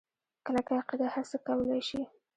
کلکه عقیده هرڅه کولی شي.